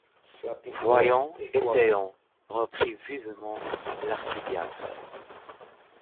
Voyons, essayons, reprit vivement l’archidiacre.